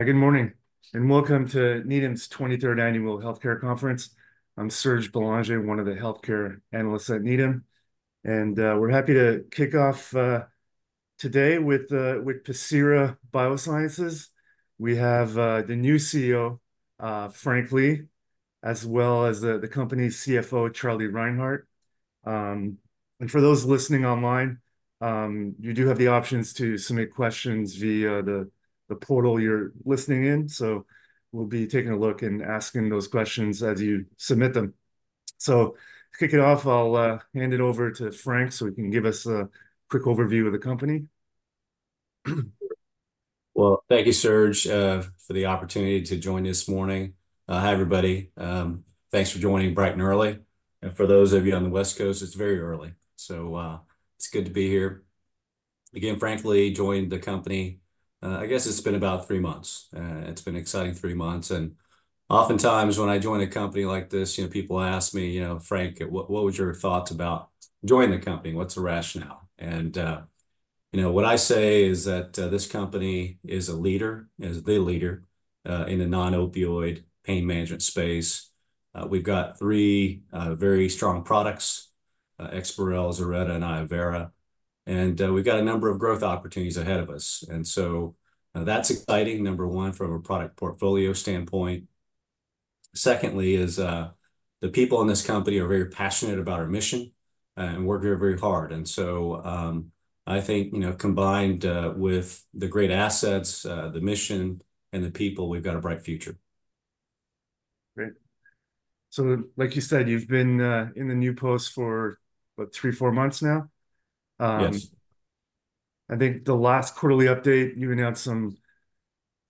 Good morning, and welcome to Needham's 23rd Annual Healthcare Conference. I'm Serge Bélanger, one of the healthcare analysts at Needham, and we're happy to kick off today with Pacira BioSciences. We have the new CEO, Frank Lee, as well as the company's CFO, Charlie Reinhart. And for those listening online, you do have the options to submit questions via the portal you're listening in, so we'll be taking a look and asking those questions as you submit them. So to kick it off, I'll hand it over to Frank, so he can give us a quick overview of the company. Well, thank you, Serge, for the opportunity to join this morning. Hi, everybody. Thanks for joining bright and early, and for those of you on the West Coast, it's very early, so, it's good to be here. Again, Frank Lee, joined the company... I guess it's been about three months. It's been an exciting three months, and oftentimes, when I join a company like this, you know, people ask me, "You know, Frank, what was your thoughts about joining the company? What's the rationale?" And, you know, what I say is that, this company is a leader, is the leader, in the non-opioid pain management space. We've got three, very strong products: EXPAREL, ZILRETTA, and iovera, and, we've got a number of growth opportunities ahead of us. That's exciting, number one, from a product portfolio standpoint. Secondly is, the people in this company are very passionate about our mission, and work very, very hard. I think, you know, combined, with the great assets, the mission, and the people, we've got a bright future. Great. So like you said, you've been in the new post for, what, three, four months now? Yes. I think the last quarterly update, you announced some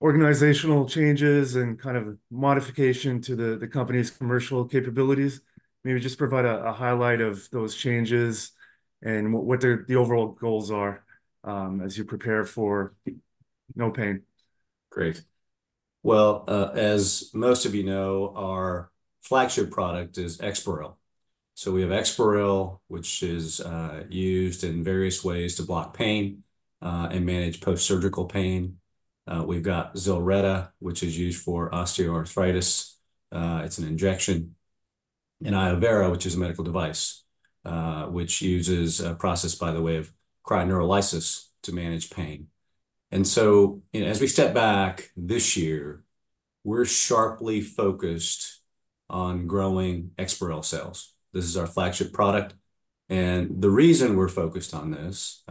organizational changes and kind of modification to the company's commercial capabilities. Maybe just provide a highlight of those changes and what the overall goals are, as you prepare for NOPAIN. Great. Well, as most of you know, our flagship product is EXPAREL. So we have EXPAREL, which is used in various ways to block pain and manage post-surgical pain. We've got ZILRETTA, which is used for osteoarthritis. It's an injection. And iovera, which is a medical device, which uses a process, by the way, of cryoneurolysis to manage pain. And so, you know, as we step back this year, we're sharply focused on growing EXPAREL sales. This is our flagship product, and the reason we're focused on this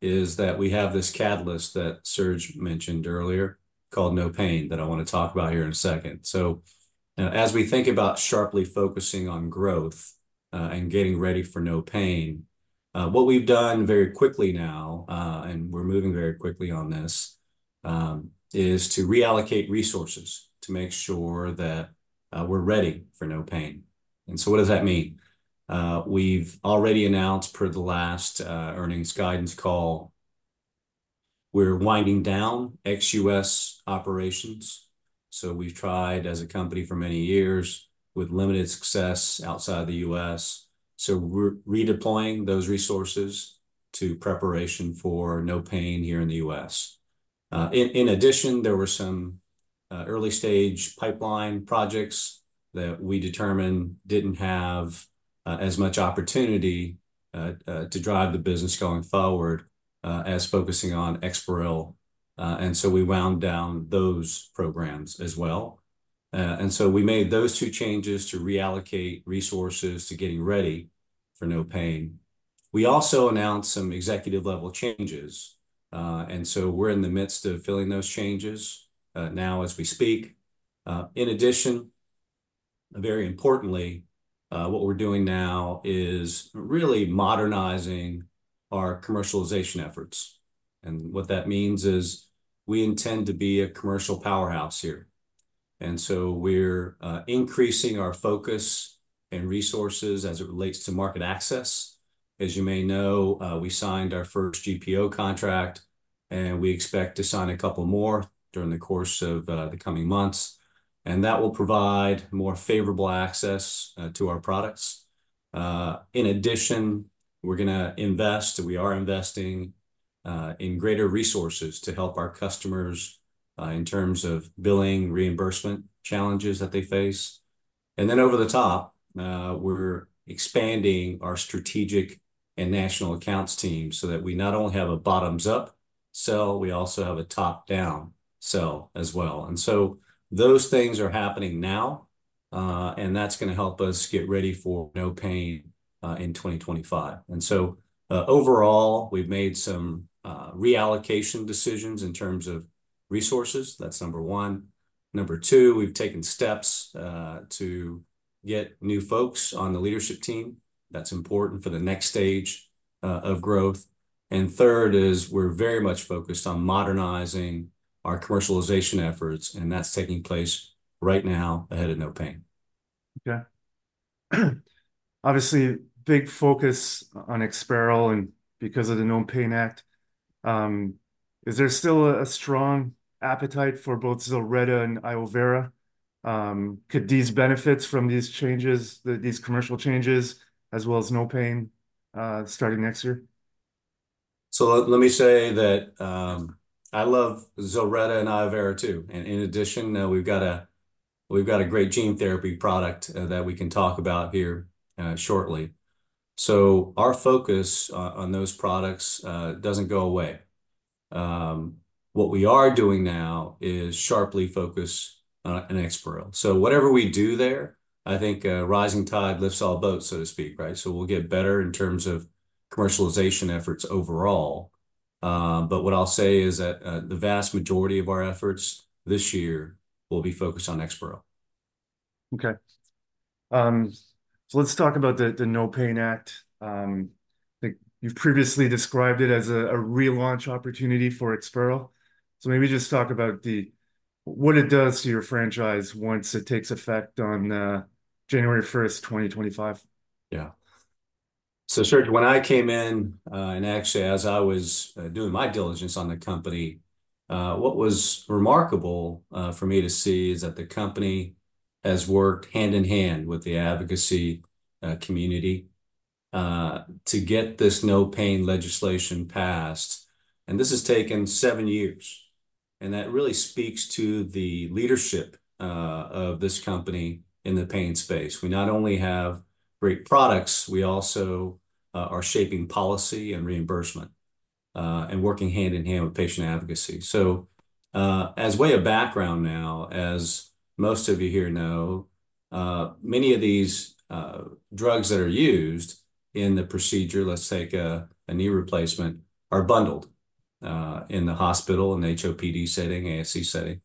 is that we have this catalyst that Serge mentioned earlier, called NOPAIN, that I want to talk about here in a second. So, as we think about sharply focusing on growth and getting ready for No Pain, what we've done very quickly now and we're moving very quickly on this is to reallocate resources to make sure that we're ready for No Pain. And so what does that mean? We've already announced per the last earnings guidance call, we're winding down ex-U.S. operations. So we've tried as a company for many years with limited success outside of the U.S., so we're redeploying those resources to preparation for No Pain here in the U.S. In addition, there were some early-stage pipeline projects that we determined didn't have as much opportunity to drive the business going forward as focusing on EXPAREL, and so we wound down those programs as well. And so we made those two changes to reallocate resources to getting ready for NOPAIN. We also announced some executive-level changes, and so we're in the midst of filling those changes, now as we speak. In addition, very importantly, what we're doing now is really modernizing our commercialization efforts, and what that means is we intend to be a commercial powerhouse here. And so we're increasing our focus and resources as it relates to market access. As you may know, we signed our first GPO contract, and we expect to sign a couple more during the course of the coming months, and that will provide more favorable access to our products. In addition, we're going to invest, we are investing, in greater resources to help our customers in terms of billing, reimbursement challenges that they face. And then over the top, we're expanding our strategic and national accounts team so that we not only have a bottoms-up sell, we also have a top-down sell as well. And so those things are happening now, and that's going to help us get ready for NOPAIN in 2025. And so, overall, we've made some reallocation decisions in terms of resources. That's number one. Number two, we've taken steps to get new folks on the leadership team. That's important for the next stage of growth. And third is we're very much focused on modernizing our commercialization efforts, and that's taking place right now ahead of NOPAIN. Okay. Obviously, big focus on EXPAREL, and because of the NOPAIN Act. Is there still a strong appetite for both ZILRETTA and iovera°? Could these benefits from these changes, these commercial changes, as well as NOPAIN, starting next year?... So let me say that, I love ZILRETTA and iovera too. And in addition, now we've got a great gene therapy product that we can talk about here shortly. So our focus on those products doesn't go away. What we are doing now is sharply focus on EXPAREL. So whatever we do there, I think a rising tide lifts all boats, so to speak, right? So we'll get better in terms of commercialization efforts overall. But what I'll say is that, the vast majority of our efforts this year will be focused on EXPAREL. Okay. So let's talk about the NOPAIN Act. You've previously described it as a relaunch opportunity for EXPAREL. So maybe just talk about the... what it does to your franchise once it takes effect on January 1, 2025. Yeah. So Serge, when I came in, and actually, as I was doing my diligence on the company, what was remarkable for me to see is that the company has worked hand-in-hand with the advocacy community to get this No Pain legislation passed, and this has taken seven years. And that really speaks to the leadership of this company in the pain space. We not only have great products, we also are shaping policy and reimbursement and working hand-in-hand with patient advocacy. So, as a way of background now, as most of you here know, many of these drugs that are used in the procedure, let's take a knee replacement, are bundled in the hospital, in the HOPD setting, ASC setting.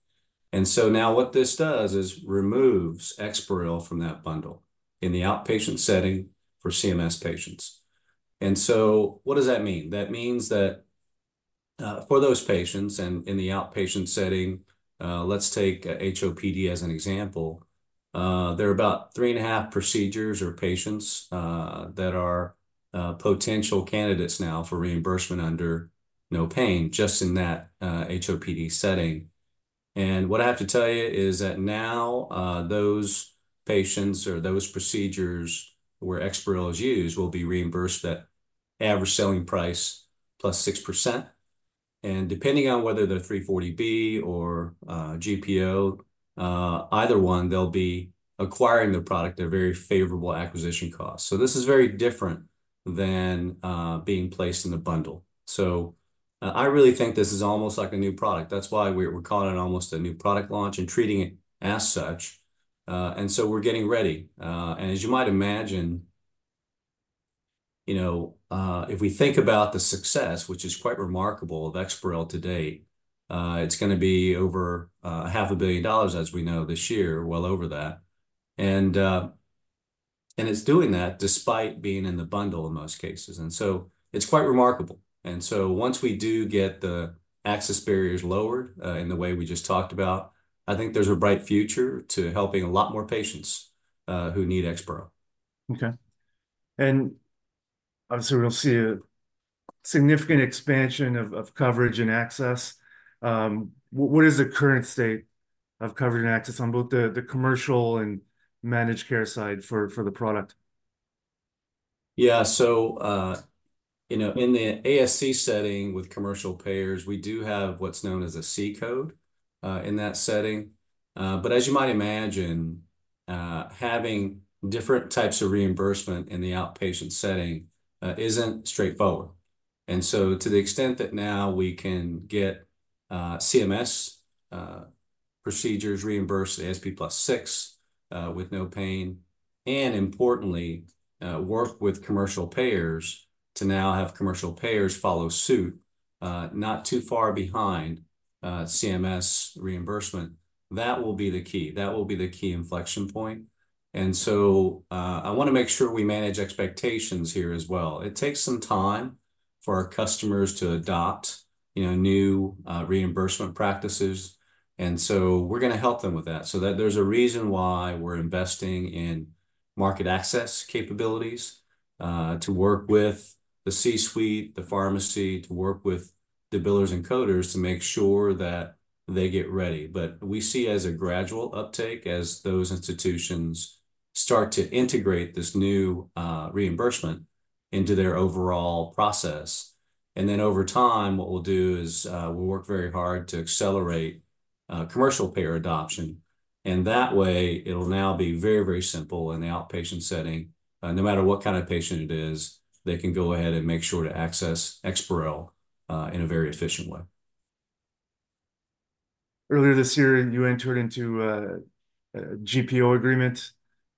And so now what this does is removes EXPAREL from that bundle in the outpatient setting for CMS patients. And so what does that mean? That means that, for those patients and in the outpatient setting, let's take HOPD as an example, there are about 3.5 procedures or patients that are potential candidates now for reimbursement under NOPAIN, just in that HOPD setting. And what I have to tell you is that now, those patients or those procedures where EXPAREL is used will be reimbursed at average selling price plus 6%. And depending on whether they're 340B or GPO, either one, they'll be acquiring the product at very favorable acquisition costs. So this is very different than being placed in the bundle. So, I really think this is almost like a new product. That's why we're calling it almost a new product launch and treating it as such. And so we're getting ready. And as you might imagine, you know, if we think about the success, which is quite remarkable, of EXPAREL to date, it's going to be over $500 million, as we know, this year, well over that. And it's doing that despite being in the bundle in most cases, and so it's quite remarkable. And so once we do get the access barriers lowered, in the way we just talked about, I think there's a bright future to helping a lot more patients, who need EXPAREL. Okay. And obviously, we'll see a significant expansion of coverage and access. What is the current state of coverage and access on both the commercial and managed care side for the product? Yeah. So, you know, in the ASC setting with commercial payers, we do have what's known as a C code in that setting. But as you might imagine, having different types of reimbursement in the outpatient setting isn't straightforward. And so to the extent that now we can get CMS procedures reimbursed ASP plus six with NOPAIN, and importantly, work with commercial payers to now have commercial payers follow suit not too far behind CMS reimbursement, that will be the key. That will be the key inflection point. And so, I want to make sure we manage expectations here as well. It takes some time for our customers to adopt, you know, new reimbursement practices, and so we're going to help them with that. So that there's a reason why we're investing in market access capabilities, to work with the C-suite, the pharmacy, to work with the billers and coders to make sure that they get ready. But we see as a gradual uptake, as those institutions start to integrate this new, reimbursement into their overall process. And then over time, what we'll do is, we'll work very hard to accelerate, commercial payer adoption. And that way, it'll now be very, very simple in the outpatient setting. No matter what kind of patient it is, they can go ahead and make sure to access EXPAREL, in a very efficient way. Earlier this year, you entered into a GPO agreement.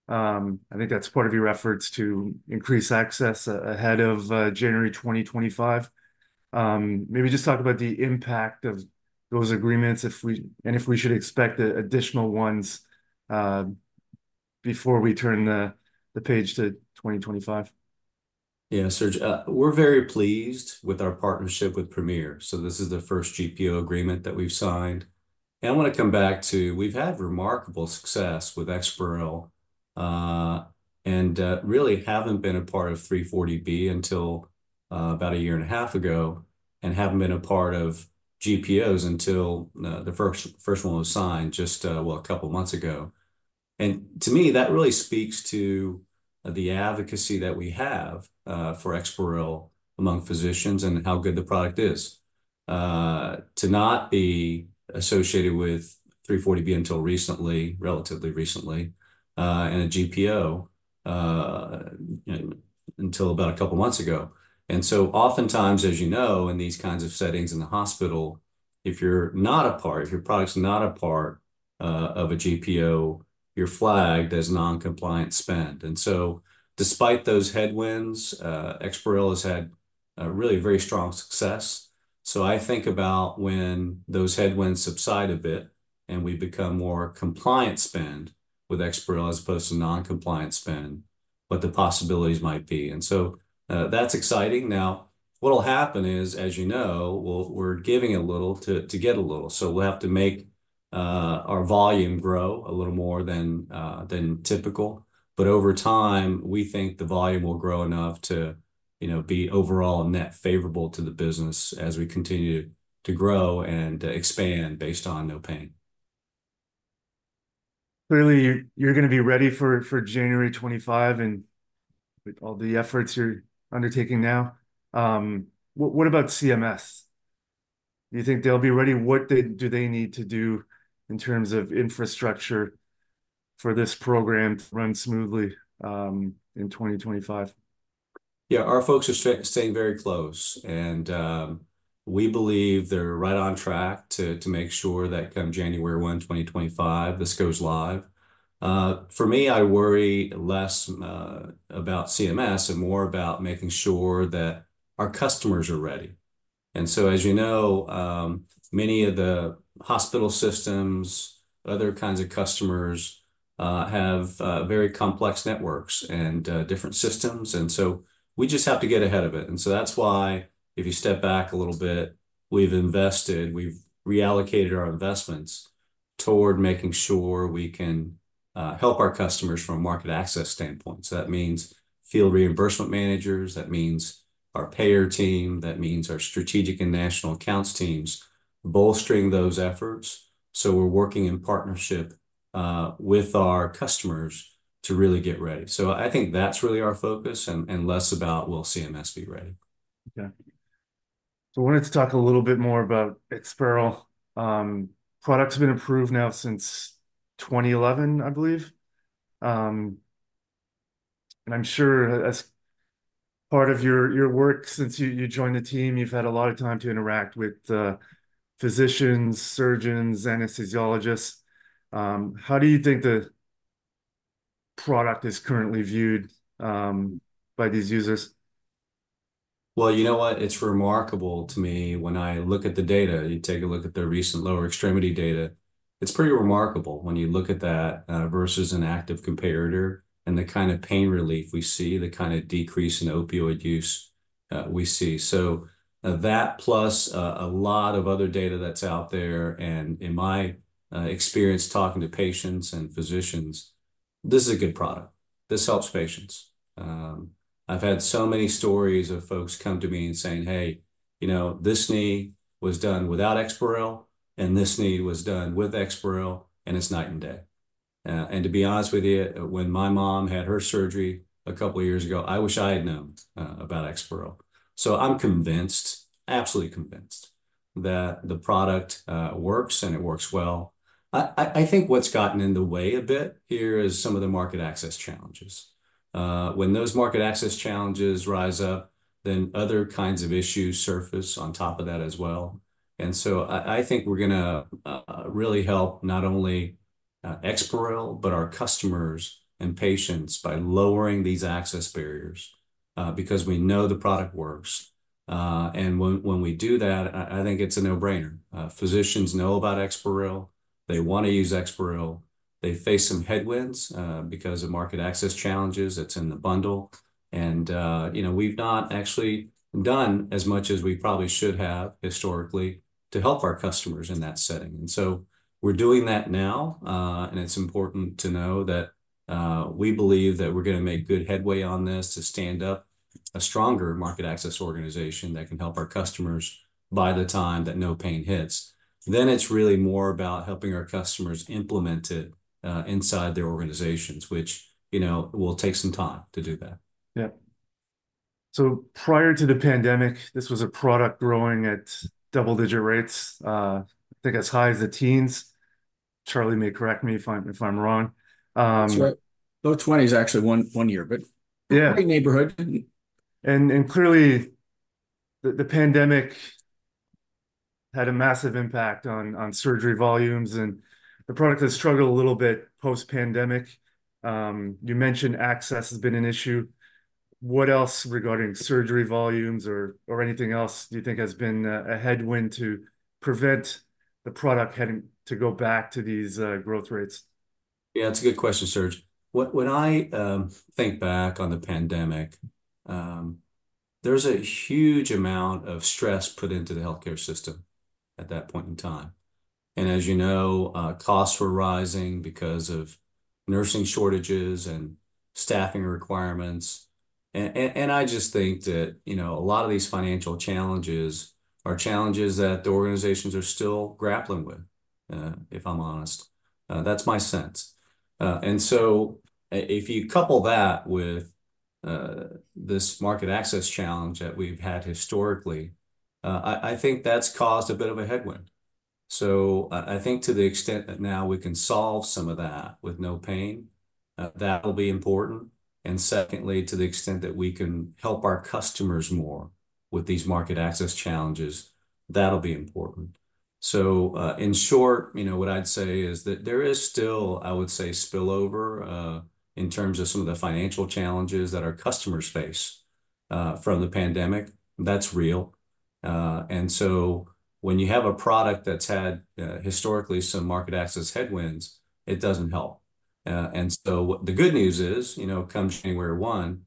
I think that's part of your efforts to increase access ahead of January 2025. Maybe just talk about the impact of those agreements and if we should expect additional ones before we turn the page to 2025. Yeah, Serge, we're very pleased with our partnership with Premier, so this is the first GPO agreement that we've signed. And I want to come back to... we've had remarkable success with EXPAREL, and really haven't been a part of 340B until about a year and a half ago, and haven't been a part of GPOs until the first one was signed just, well, a couple of months ago... and to me, that really speaks to the advocacy that we have for EXPAREL among physicians and how good the product is. To not be associated with 340B until recently, relatively recently, and a GPO, you know, until about a couple months ago. And so oftentimes, as you know, in these kinds of settings in the hospital, if you're not a part, if your product's not a part of a GPO, you're flagged as non-compliant spend. And so despite those headwinds, EXPAREL has had a really very strong success. So I think about when those headwinds subside a bit, and we become more compliant spend with EXPAREL as opposed to non-compliant spend, what the possibilities might be. And so that's exciting. Now, what'll happen is, as you know, we're giving a little to get a little. So we'll have to make our volume grow a little more than typical, but over time, we think the volume will grow enough to, you know, be overall net favorable to the business as we continue to grow and expand based on NOPAIN. Clearly, you're gonna be ready for January 25, and with all the efforts you're undertaking now. What about CMS? Do you think they'll be ready? What do they need to do in terms of infrastructure for this program to run smoothly in 2025? Yeah, our folks are staying very close, and we believe they're right on track to make sure that come January 1, 2025, this goes live. For me, I worry less about CMS and more about making sure that our customers are ready. And so, as you know, many of the hospital systems, other kinds of customers, have very complex networks and different systems, and so we just have to get ahead of it. And so that's why if you step back a little bit, we've invested, we've reallocated our investments toward making sure we can help our customers from a market access standpoint. So that means field reimbursement managers, that means our payer team, that means our strategic and national accounts teams bolstering those efforts. So we're working in partnership with our customers to really get ready. So I think that's really our focus and less about will CMS be ready. Okay. So I wanted to talk a little bit more about EXPAREL. Product's been approved now since 2011, I believe. And I'm sure as part of your work since you joined the team, you've had a lot of time to interact with physicians, surgeons, anesthesiologists. How do you think the product is currently viewed by these users? Well, you know what? It's remarkable to me when I look at the data. You take a look at the recent lower extremity data, it's pretty remarkable when you look at that, versus an active comparator and the kind of pain relief we see, the kind of decrease in opioid use, we see. So, that plus, a lot of other data that's out there, and in my experience talking to patients and physicians, this is a good product. This helps patients. I've had so many stories of folks come to me and saying, "Hey, you know, this knee was done without EXPAREL, and this knee was done with EXPAREL, and it's night and day." And to be honest with you, when my mom had her surgery a couple of years ago, I wish I had known, about EXPAREL. So I'm convinced, absolutely convinced, that the product works, and it works well. I think what's gotten in the way a bit here is some of the market access challenges. When those market access challenges rise up, then other kinds of issues surface on top of that as well. And so I think we're gonna really help not only EXPAREL, but our customers and patients by lowering these access barriers because we know the product works. And when we do that, I think it's a no-brainer. Physicians know about EXPAREL. They wanna use EXPAREL. They face some headwinds because of market access challenges that's in the bundle. And you know, we've not actually done as much as we probably should have historically to help our customers in that setting. And so we're doing that now, and it's important to know that we believe that we're gonna make good headway on this to stand up a stronger market access organization that can help our customers by the time that no pain hits. Then it's really more about helping our customers implement it inside their organizations, which, you know, will take some time to do that. Yeah. So prior to the pandemic, this was a product growing at double-digit rates. I think as high as the teens. Charlie may correct me if I'm wrong. That's right. Low 20s, actually, 1 year, but- Yeah... great neighborhood. Clearly, the pandemic had a massive impact on surgery volumes, and the product has struggled a little bit post-pandemic. You mentioned access has been an issue. What else regarding surgery volumes or anything else do you think has been a headwind to prevent the product having to go back to these growth rates? Yeah, that's a good question, Serge. When I think back on the pandemic, there was a huge amount of stress put into the healthcare system at that point in time. And as you know, costs were rising because of nursing shortages and staffing requirements. And I just think that, you know, a lot of these financial challenges are challenges that the organizations are still grappling with, if I'm honest. That's my sense. And so if you couple that with this market access challenge that we've had historically, I think that's caused a bit of a headwind. So I think to the extent that now we can solve some of that with no pain, that will be important. And secondly, to the extent that we can help our customers more with these market access challenges, that'll be important. So, in short, you know, what I'd say is that there is still, I would say, spillover, in terms of some of the financial challenges that our customers face, from the pandemic. That's real. And so when you have a product that's had, historically some market access headwinds, it doesn't help. And so the good news is, you know, come January 1,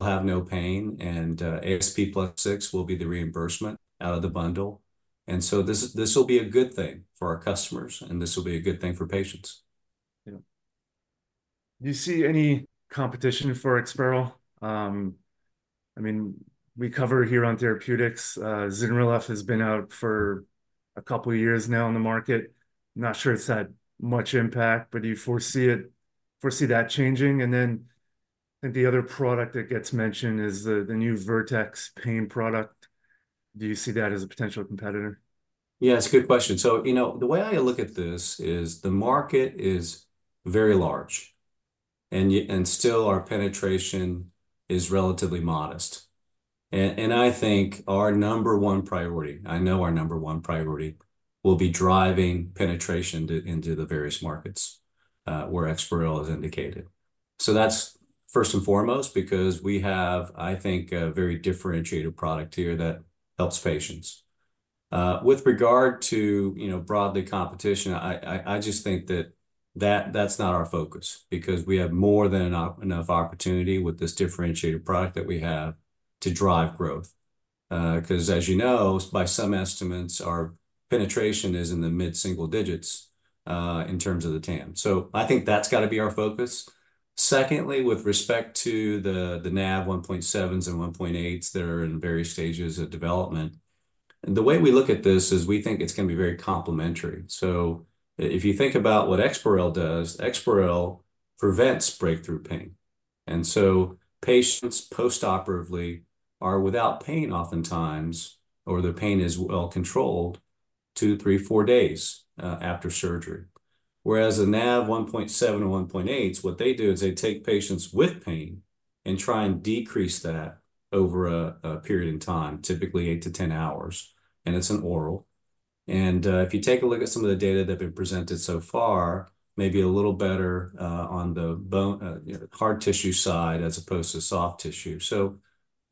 we'll have NOPAIN, and, ASP plus six will be the reimbursement out of the bundle. And so this, this will be a good thing for our customers, and this will be a good thing for patients. Yeah. Do you see any competition for EXPAREL? I mean, we cover here on therapeutics, ZILRETTA has been out for a couple of years now in the market. Not sure it's had much impact, but do you foresee that changing? Then I think the other product that gets mentioned is the new Vertex pain product. Do you see that as a potential competitor? Yeah, it's a good question. So, you know, the way I look at this is the market is very large, and yet, and still our penetration is relatively modest. And I think our number one priority, I know our number one priority, will be driving penetration into the various markets where EXPAREL is indicated. So that's first and foremost because we have, I think, a very differentiated product here that helps patients. With regard to, you know, broadly competition, I just think that's not our focus because we have more than enough opportunity with this differentiated product that we have to drive growth. Because as you know, by some estimates, our penetration is in the mid-single digits in terms of the TAM. So I think that's got to be our focus. Secondly, with respect to the NaV1.7s and 1.8s that are in various stages of development, the way we look at this is we think it's going to be very complementary. So if you think about what EXPAREL does, EXPAREL prevents breakthrough pain, and so patients postoperatively are without pain oftentimes, or their pain is well controlled 2, 3, 4 days after surgery. Whereas a NaV1.7 or 1.8s, what they do is they take patients with pain and try and decrease that over a period in time, typically 8-10 hours, and it's an oral. And if you take a look at some of the data that have been presented so far, maybe a little better on the bone, you know, the hard tissue side as opposed to soft tissue. So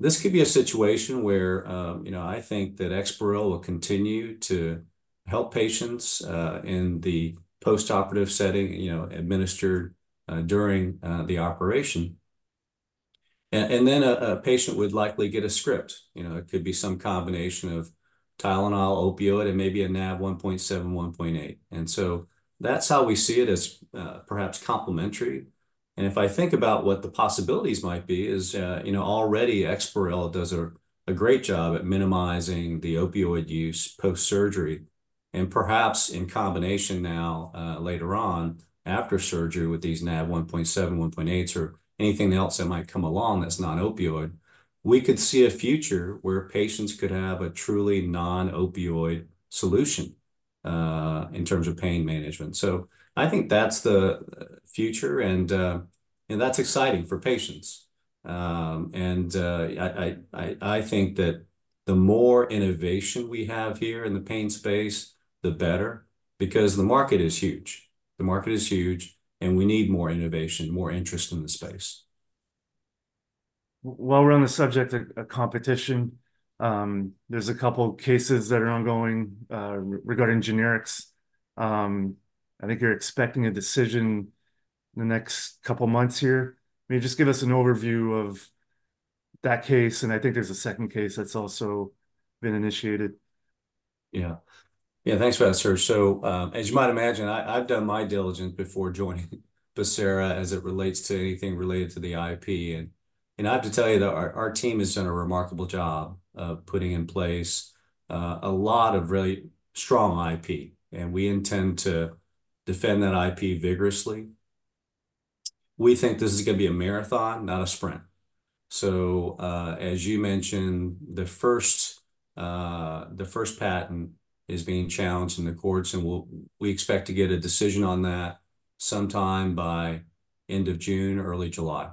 this could be a situation where, you know, I think that EXPAREL will continue to help patients in the postoperative setting, you know, administered during the operation. And then a patient would likely get a script. You know, it could be some combination of Tylenol, opioid, and maybe a NAV1.7, 1.8. And so that's how we see it as perhaps complementary. And if I think about what the possibilities might be is, you know, already EXPAREL does a great job at minimizing the opioid use post-surgery. And perhaps in combination now, later on after surgery with these NaV1.7, 1.8s or anything else that might come along that's non-opioid, we could see a future where patients could have a truly non-opioid solution in terms of pain management. So I think that's the future, and that's exciting for patients. And I think that the more innovation we have here in the pain space, the better, because the market is huge. The market is huge, and we need more innovation, more interest in the space. While we're on the subject of competition, there's a couple cases that are ongoing regarding generics. I think you're expecting a decision in the next couple of months here. Can you just give us an overview of that case? And I think there's a second case that's also been initiated. Yeah. Yeah, thanks, Serge. So, as you might imagine, I, I've done my diligence before joining Pacira as it relates to anything related to the IP, and I have to tell you that our team has done a remarkable job of putting in place a lot of really strong IP, and we intend to defend that IP vigorously. We think this is going to be a marathon, not a sprint. So, as you mentioned, the first patent is being challenged in the courts, and we expect to get a decision on that sometime by end of June, early July.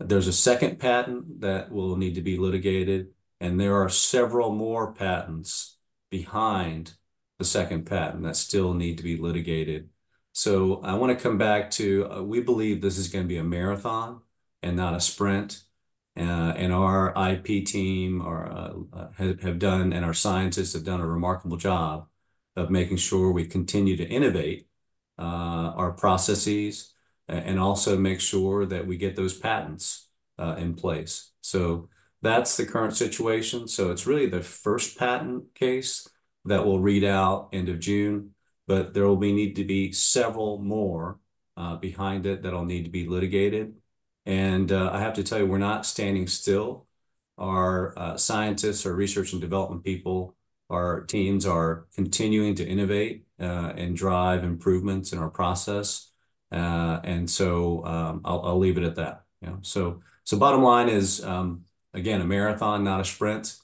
There's a second patent that will need to be litigated, and there are several more patents behind the second patent that still need to be litigated. So I want to come back to, we believe this is going to be a marathon and not a sprint, and our IP team have done, and our scientists have done a remarkable job of making sure we continue to innovate, our processes, and also make sure that we get those patents in place. So that's the current situation. So it's really the first patent case that will read out end of June, but there will need to be several more behind it that'll need to be litigated. And, I have to tell you, we're not standing still. Our scientists, our research and development people, our teams are continuing to innovate, and drive improvements in our process. And so, I'll leave it at that. You know, so bottom line is, again, a marathon, not a sprint.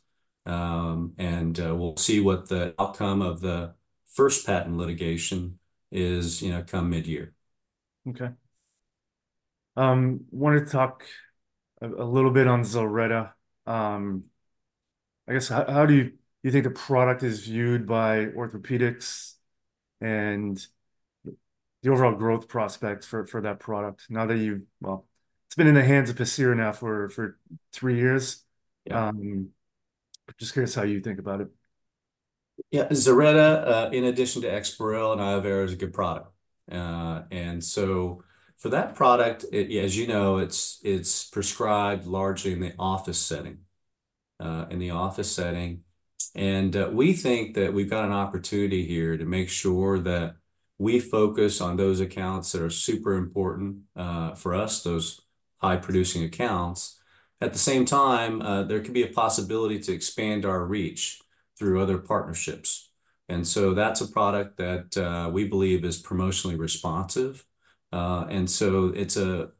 We'll see what the outcome of the first patent litigation is, you know, come midyear. Okay. I wanted to talk a little bit on ZILRETTA. I guess, how do you think the product is viewed by orthopedics and the overall growth prospects for that product now that you... Well, it's been in the hands of Pacira now for three years. Yeah. Just curious how you think about it? Yeah, ZILRETTA, in addition to EXPAREL and iovera, is a good product. And so for that product, as you know, it's prescribed largely in the office setting, in the office setting. We think that we've got an opportunity here to make sure that we focus on those accounts that are super important for us, those high-producing accounts. At the same time, there could be a possibility to expand our reach through other partnerships. And so that's a product that we believe is promotionally responsive. And so it's a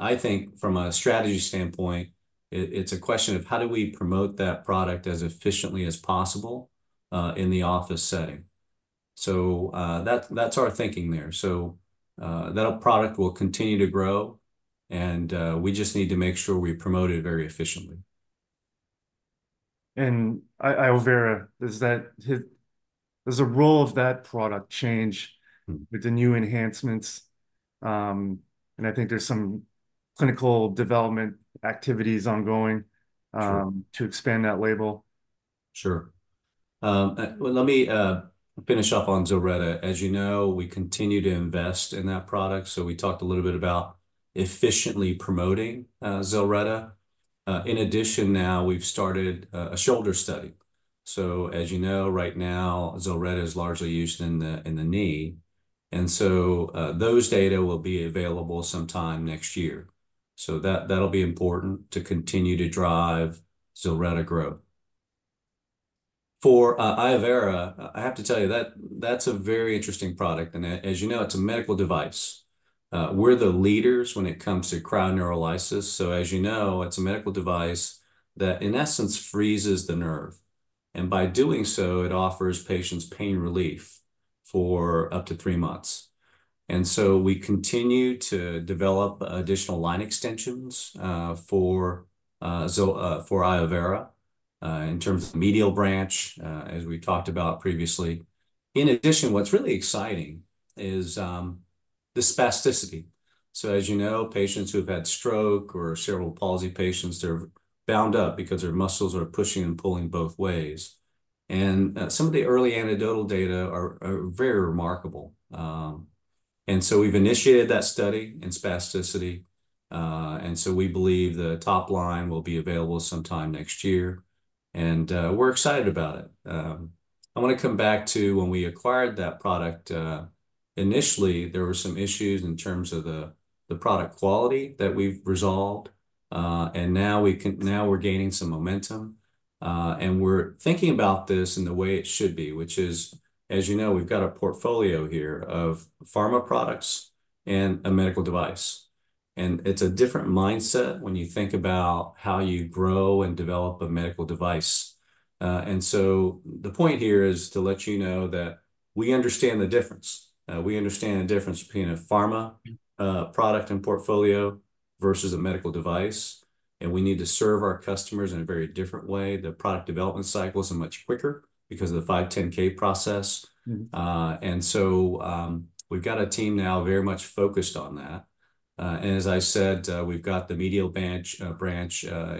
I think from a strategy standpoint, it's a question of how do we promote that product as efficiently as possible, in the office setting? So, that's our thinking there. That product will continue to grow, and we just need to make sure we promote it very efficiently. iovera, does the role of that product change? Mm... with the new enhancements? And I think there's some clinical development activities ongoing- Sure... to expand that label. Sure. Well, let me finish off on ZILRETTA. As you know, we continue to invest in that product, so we talked a little bit about efficiently promoting ZILRETTA. In addition now, we've started a shoulder study. So as you know, right now, ZILRETTA is largely used in the knee. So those data will be available sometime next year. So that, that'll be important to continue to drive ZILRETTA growth. For iovera, I have to tell you that that's a very interesting product, and as you know, it's a medical device. We're the leaders when it comes to cryoneurolysis. So as you know, it's a medical device that, in essence, freezes the nerve, and by doing so, it offers patients pain relief for up to three months. And so we continue to develop additional line extensions for iovera in terms of medial branch, as we talked about previously. In addition, what's really exciting is the spasticity. So as you know, patients who've had stroke or cerebral palsy patients, they're bound up because their muscles are pushing and pulling both ways. And some of the early anecdotal data are very remarkable. And so we've initiated that study in spasticity, and so we believe the top line will be available sometime next year, and we're excited about it. I wanna come back to when we acquired that product. Initially, there were some issues in terms of the product quality that we've resolved. And now we're gaining some momentum, and we're thinking about this in the way it should be, which is, as you know, we've got a portfolio here of pharma products and a medical device, and it's a different mindset when you think about how you grow and develop a medical device. And so the point here is to let you know that we understand the difference. We understand the difference between a pharma product and portfolio versus a medical device, and we need to serve our customers in a very different way. The product development cycles are much quicker because of the 510(k) process. Mm. And so, we've got a team now very much focused on that. And as I said, we've got the medial branch block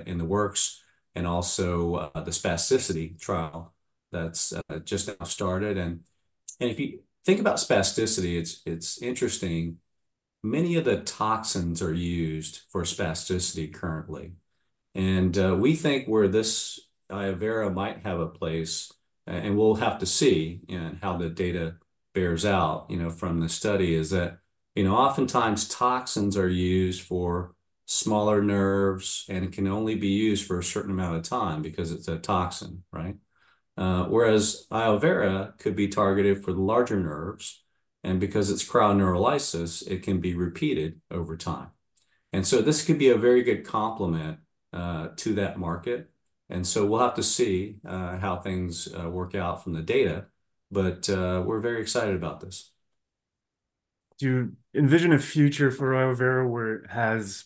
in the works and also the spasticity trial that's just now started. And if you think about spasticity, it's interesting. Many of the toxins are used for spasticity currently, and we think where this iovera might have a place, and we'll have to see, you know, how the data bears out, you know, from the study, is that, you know, oftentimes toxins are used for smaller nerves, and it can only be used for a certain amount of time because it's a toxin, right? Whereas iovera could be targeted for the larger nerves, and because it's cryoneurolysis, it can be repeated over time. And so this could be a very good complement to that market, and so we'll have to see how things work out from the data, but we're very excited about this. Do you envision a future for iovera, where it has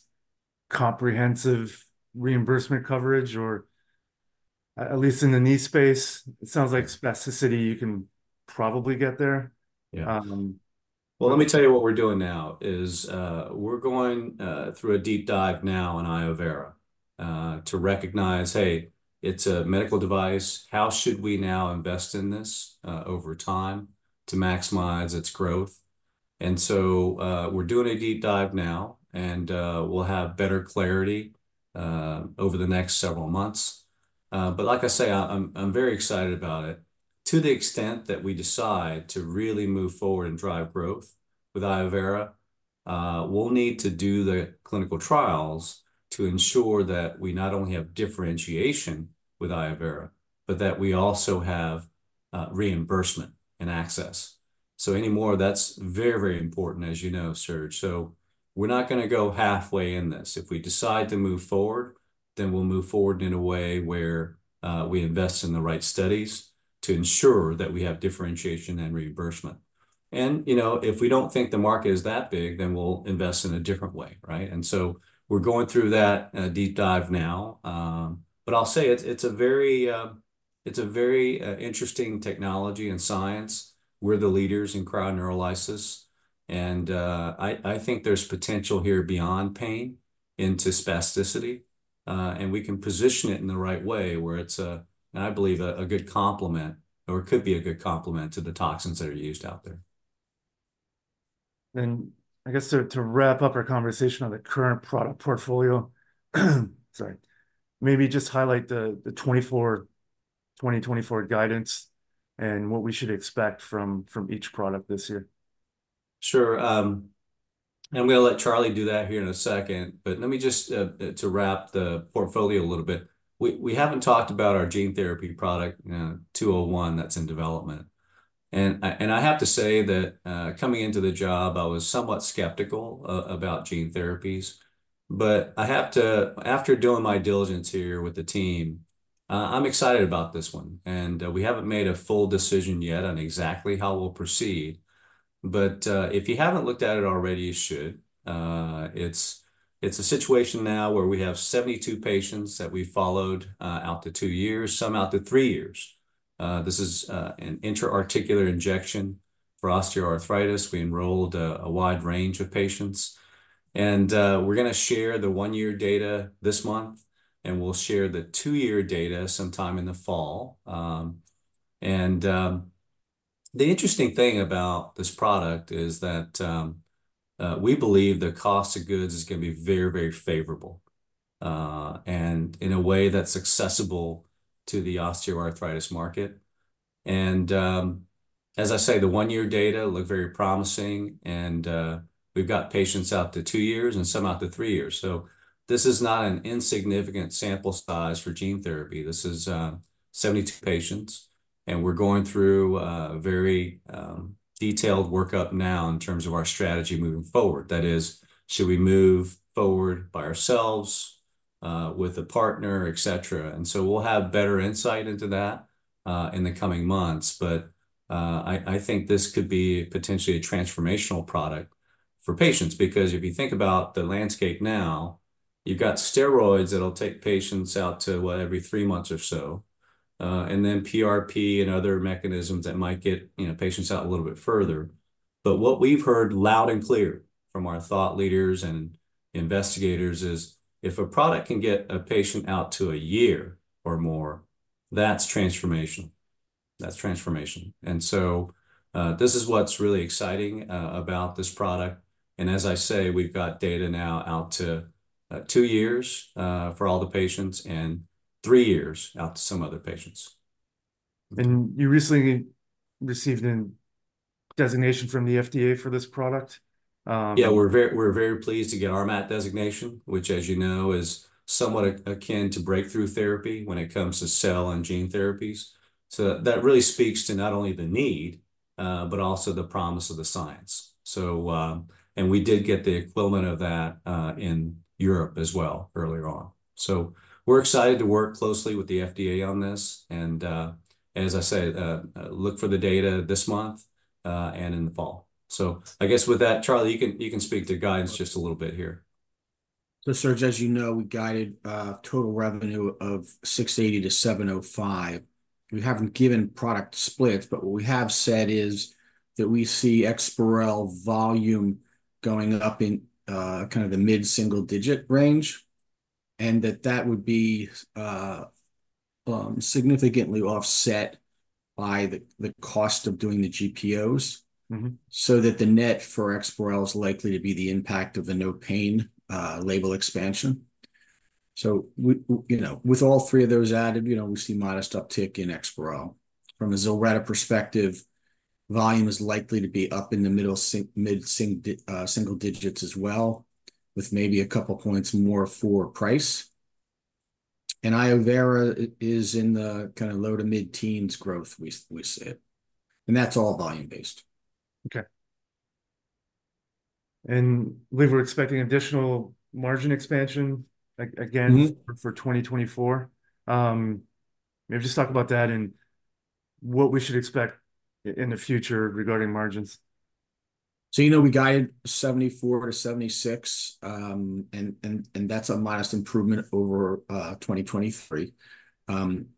comprehensive reimbursement coverage, or at least in the knee space, it sounds like spasticity, you can probably get there? Yeah. Um- Well, let me tell you, what we're doing now is, we're going, through a deep dive now in iovera, to recognize, hey, it's a medical device. How should we now invest in this, over time to maximize its growth? And so, we're doing a deep dive now, and, we'll have better clarity, over the next several months. But like I say, I'm very excited about it. To the extent that we decide to really move forward and drive growth with iovera, we'll need to do the clinical trials to ensure that we not only have differentiation with iovera, but that we also have, reimbursement and access. So anymore, that's very, very important, as you know, Serge. So we're not gonna go halfway in this. If we decide to move forward, then we'll move forward in a way where we invest in the right studies to ensure that we have differentiation and reimbursement. And, you know, if we don't think the market is that big, then we'll invest in a different way, right? And so we're going through that deep dive now. But I'll say, it's a very interesting technology and science. We're the leaders in cryoneurolysis, and I think there's potential here beyond pain into spasticity. And we can position it in the right way, where it's a, and I believe a good complement or could be a good complement to the toxins that are used out there. Then I guess to wrap up our conversation on the current product portfolio, sorry, maybe just highlight the 2024 guidance and what we should expect from each product this year. Sure. I'm gonna let Charlie do that here in a second, but let me just to wrap the portfolio a little bit. We haven't talked about our gene therapy product, 201, that's in development, and I have to say that coming into the job, I was somewhat skeptical about gene therapies, but I have to... After doing my diligence here with the team, I'm excited about this one. And we haven't made a full decision yet on exactly how we'll proceed, but if you haven't looked at it already, you should. It's a situation now where we have 72 patients that we followed out to 2 years, some out to 3 years. This is an intra-articular injection for osteoarthritis. We enrolled a wide range of patients, and we're gonna share the one-year data this month, and we'll share the two-year data sometime in the fall. And the interesting thing about this product is that we believe the cost of goods is gonna be very, very favorable, and in a way that's accessible to the osteoarthritis market. And as I say, the one-year data look very promising, and we've got patients out to 2 years and some out to 3 years. So this is not an insignificant sample size for gene therapy. This is 72 patients, and we're going through a very detailed workup now in terms of our strategy moving forward. That is, should we move forward by ourselves with a partner, et cetera? And so we'll have better insight into that in the coming months. But I think this could be potentially a transformational product for patients, because if you think about the landscape now, you've got steroids that'll take patients out to, what, every three months or so, and then PRP and other mechanisms that might get, you know, patients out a little bit further. But what we've heard loud and clear from our thought leaders and investigators is, if a product can get a patient out to a year or more, that's transformation. That's transformation. And so, this is what's really exciting about this product. And as I say, we've got data now out to two years for all the patients and three years out to some other patients. You recently received a designation from the FDA for this product? Yeah, we're very, we're very pleased to get RMAT designation, which, as you know, is somewhat akin to breakthrough therapy when it comes to cell and gene therapies. So that really speaks to not only the need, but also the promise of the science. So, and we did get the equivalent of that, in Europe as well earlier on. So we're excited to work closely with the FDA on this, and, as I say, look for the data this month, and in the fall. So I guess with that, Charlie, you can, you can speak to guidance just a little bit here. So Serge, as you know, we guided total revenue of $60-$75. We haven't given product splits, but what we have said is that we see EXPAREL volume going up in kind of the mid-single-digit range, and that that would be significantly offset by the cost of doing the GPOs- Mm-hmm... so that the net for EXPAREL is likely to be the impact of the NOPAIN, label expansion. So you know, with all three of those added, you know, we see modest uptick in EXPAREL. From a ZILRETTA perspective, volume is likely to be up in the mid-single digits as well, with maybe a couple points more for price. And iovera is in the kinda low- to mid-teens growth we see, and that's all volume-based. Okay. And we were expecting additional margin expansion, again- Mm-hmm... for 2024. Maybe just talk about that and what we should expect in the future regarding margins. So, you know, we guided 74-76, and that's a modest improvement over 2023. You know,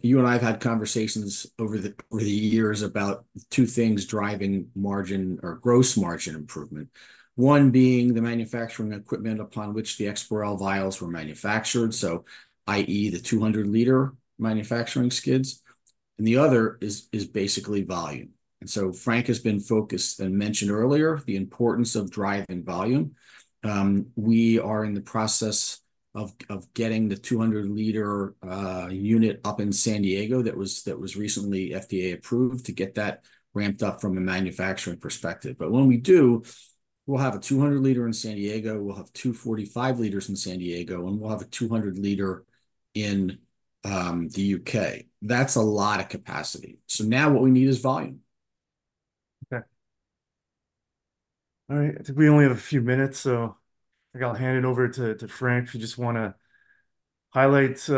you and I have had conversations over the years about two things driving margin or gross margin improvement. One being the manufacturing equipment upon which the EXPAREL vials were manufactured, so i.e., the 200-liter manufacturing skids, and the other is basically volume. And so Frank has been focused, and mentioned earlier, the importance of driving volume. We are in the process of getting the 200-liter unit up in San Diego that was recently FDA approved, to get that ramped up from a manufacturing perspective. But when we do, we'll have a 200-liter in San Diego, we'll have two 45-liters in San Diego, and we'll have a 200-liter in the UK. That's a lot of capacity. So now what we need is volume. Okay. All right, I think we only have a few minutes, so I think I'll hand it over to Frank, if you just wanna highlight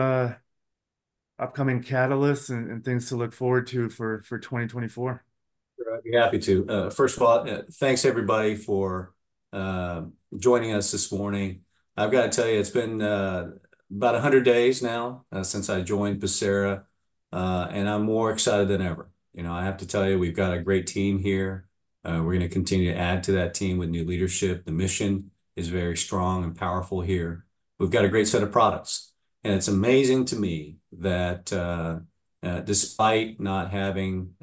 upcoming catalysts and things to look forward to for 2024. Sure, I'd be happy to. First of all, thanks everybody for joining us this morning. I've got to tell you, it's been about 100 days now since I joined Pacira, and I'm more excited than ever. You know, I have to tell you, we've got a great team here. We're gonna continue to add to that team with new leadership. The mission is very strong and powerful here. We've got a great set of products, and it's amazing to me that, despite not having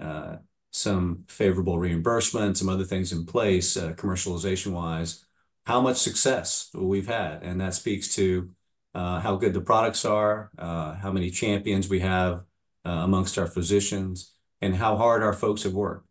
some favorable reimbursement, some other things in place, commercialization-wise, how much success we've had, and that speaks to how good the products are, how many champions we have amongst our physicians, and how hard our folks have worked.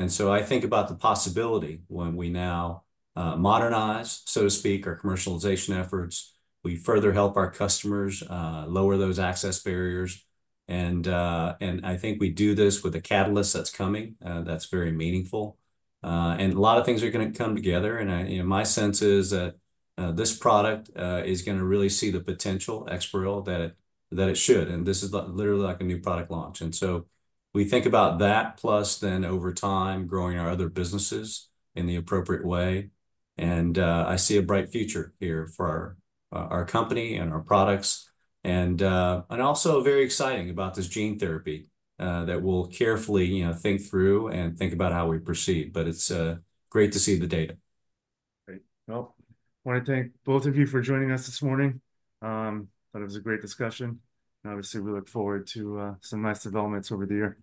And so I think about the possibility when we now, modernize, so to speak, our commercialization efforts, we further help our customers, lower those access barriers, and, and I think we do this with a catalyst that's coming, that's very meaningful. And a lot of things are gonna come together, and I, you know, my sense is that, this product, is gonna really see the potential, EXPAREL, that it, that it should, and this is literally like a new product launch. And so we think about that, plus then over time, growing our other businesses in the appropriate way, and, I see a bright future here for our, our company and our products. Also very exciting about this gene therapy that we'll carefully, you know, think through and think about how we proceed, but it's great to see the data. Great. Well, I wanna thank both of you for joining us this morning. Thought it was a great discussion, and obviously, we look forward to some nice developments over the year.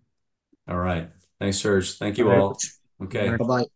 All right. Thanks, Serge. Thank you, all. All right. Okay. Bye-bye. Bye.